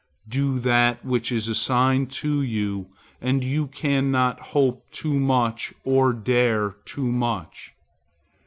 Do that which is assigned you, and you cannot hope too much or dare too much.